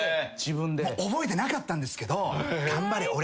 覚えてなかったんですけど「頑張れ俺。